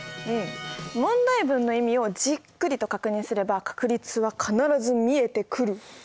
うん問題文の意味をじっくりと確認すれば確率は必ず見えてくる。